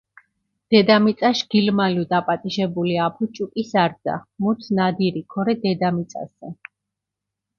დედამიწაშ გილმალუ დაპატიჟებული აფუ ჭუკის არძა, მუთ ნადირი ქორე დედამიწასჷნ.